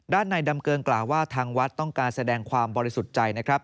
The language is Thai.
ในดำเกิงกล่าวว่าทางวัดต้องการแสดงความบริสุทธิ์ใจนะครับ